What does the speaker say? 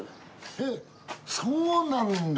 えっそうなんだ。